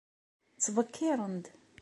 Ttbekkiṛen-d.